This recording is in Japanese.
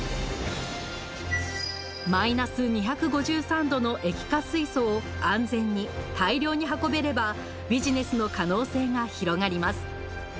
マイナス２５３℃の液化水素を安全に大量に運べればビジネスの可能性が広がります。